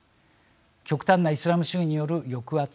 極端なイスラム主義による抑圧